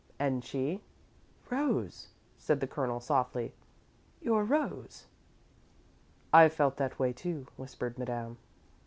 "And she ?" "Rose," said the Colonel, softly. "Your Rose." "I've felt that way, too," whispered Madame.